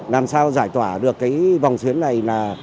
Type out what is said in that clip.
làm sao giải tỏa được cái vòng xuyến này